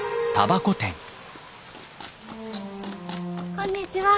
こんにちは。